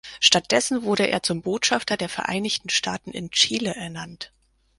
Stattdessen wurde er zum Botschafter der Vereinigten Staaten in Chile ernannt.